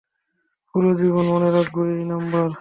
পুরো জীবণ মনে রাখবো এই নাম্বার।